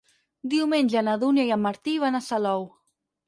Diumenge na Dúnia i en Martí van a Salou.